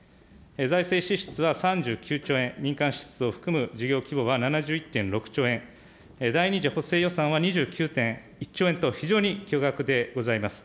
財政支出は３９兆円、民間支出を含む事業規模は７１．６兆円、第２次補正予算は２９．１兆円と、非常に巨額でございます。